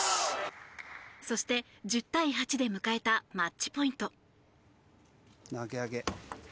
そして、１０対８で迎えたマッチポイント。